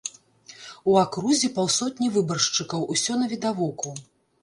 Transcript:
У акрузе паўсотні выбаршчыкаў, усё навідавоку!